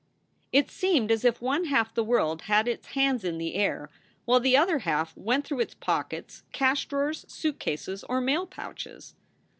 It seemed as if one half the world had its hands in the air while the other half went through its pockets, cash drawers, suitcases, or mail pouches.